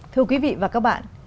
thưa quý vị và các bạn